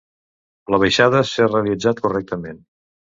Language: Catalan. La baixada s'ha realitzat correctament.